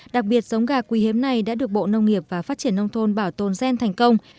đặc biệt giống gà quý hiếm này đã được bộ nông nghiệp và phát triển nông thôn bảo tồn gen thành công